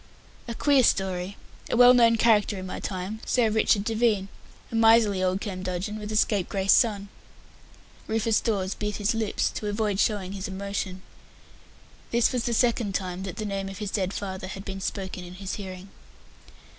"A queer story. A well known character in my time Sir Richard Devine. A miserly old curmudgeon, with a scapegrace son." Rufus Dawes bit his lips to avoid showing his emotion. This was the second time that the name of his dead father had been spoken in his hearing.